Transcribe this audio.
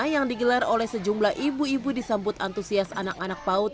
yang digelar oleh sejumlah ibu ibu disambut antusias anak anak paut